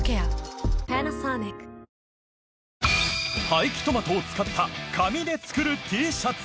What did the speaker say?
廃棄トマトを使った紙で作るＴシャツ。